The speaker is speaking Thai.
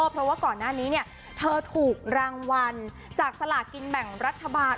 เพราะว่าก่อนหน้านี้เธอถูกรางวัลจากสลากินแบ่งรัฐบาล